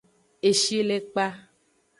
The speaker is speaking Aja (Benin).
Eshilekpa.